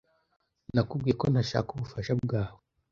Nakubwiye ko ntashaka ubufasha bwawe.